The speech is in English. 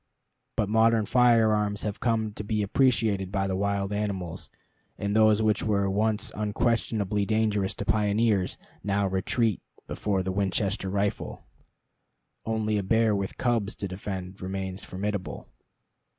But modern firearms have come to be appreciated by the wild animals; and those which were once unquestionably dangerous to pioneers, now retreat before the Winchester rifle. Only a bear with cubs to defend remains formidable.